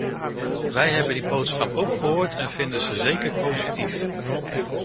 Wij hebben die boodschap ook gehoord en vinden ze zeker positief.